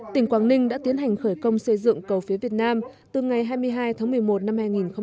tỉnh quảng ninh đã tiến hành khởi công xây dựng cầu phía việt nam từ ngày hai mươi hai tháng một mươi một năm hai nghìn một mươi chín